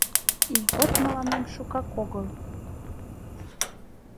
Ийгот мыланем шукак огыл